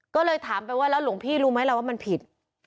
ก็เลยถามไปว่าแล้วหลวงพี่รู้ไหมล่ะว่ามันผิด